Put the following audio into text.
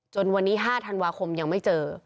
วันนี้๕ธันวาคมยังไม่เจอ